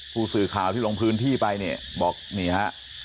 ผู้สื่อข่าวที่ลงพื้นที่ไปเนี่ยบอกนี่ฮะ